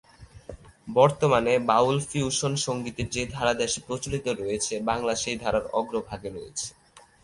বর্তমানে বাউল-ফিউশন সঙ্গীতের যে ধারা দেশে প্রচলিত হয়েছে, বাংলা সেই ধারার অগ্রভাগে রয়েছে।